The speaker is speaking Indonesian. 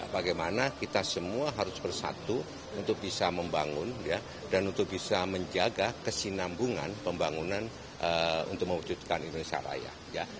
bagaimana kita semua harus bersatu untuk bisa membangun dan untuk bisa menjaga kesinambungan pembangunan untuk mewujudkan indonesia raya